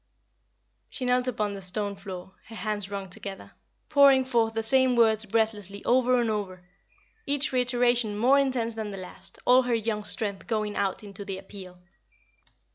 She knelt upon the stone floor, her hands wrung together, pouring forth the same words breathlessly over and over, each reiteration more intense than the last, all her young strength going out into the appeal.